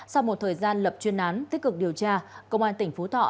sau một thời gian lập chuyên án tích cực điều tra công an tỉnh phú thọ